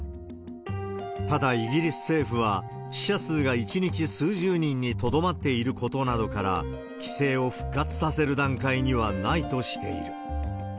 ただ、イギリス政府は死者数が１日数十人にとどまっていることなどから、規制を復活させる段階にはないとしている。